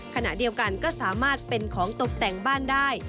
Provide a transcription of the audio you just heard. ขณะเดียวกันก็สามารถเป็นของตกแต่งบ้านได้